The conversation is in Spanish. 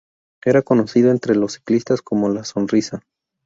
Era conocido entre los ciclistas como "la sonrisa".